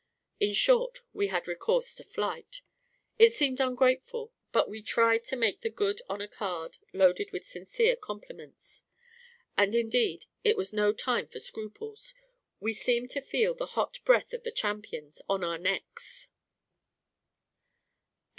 In short, we had recourse to flight. It seemed ungrateful, but we tried to make that good on a card loaded with sincere compliments. And indeed it was no time for scruples; we seemed to feel the hot breath of the champion on our necks.